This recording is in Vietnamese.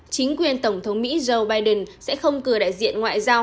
chính quyền tổng thống mỹ joe biden sẽ không cử đại diện ngoại giao